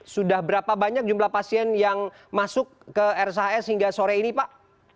sudah berapa banyak jumlah pasien yang masuk ke rshs hingga sore ini pak